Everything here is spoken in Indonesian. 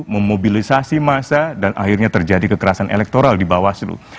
memobilisasi masa dan akhirnya terjadi kekerasan elektoral di bawaslu